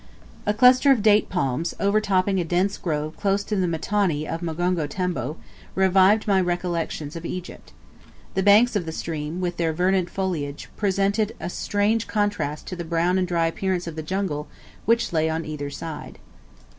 A cluster of date palm trees, overtopping a dense grove close to the mtoni of Mgongo Tembo, revived my recollections of Egypt. The banks of the stream, with their verdant foliage, presented a strange contrast to the brown and dry appearance of the jungle which lay on either side.